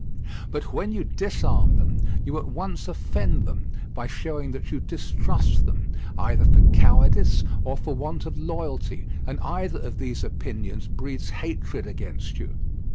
But when you disarm them, you at once offend them by showing that you distrust them, either for cowardice or for want of loyalty, and either of these opinions breeds hatred against you.